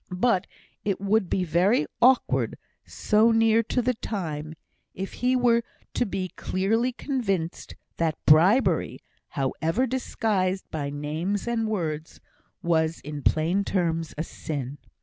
But it would be very awkward, so near to the time, if he were to be clearly convinced that bribery, however disguised by names and words, was in plain terms a sin.